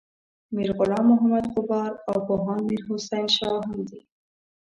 میر غلام محمد غبار او پوهاند میر حسین شاه هم دي.